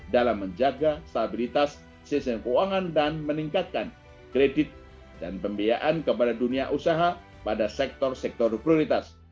dalam menjaga stabilitas sistem keuangan dan meningkatkan kredit dan pembiayaan kepada dunia usaha pada sektor sektor prioritas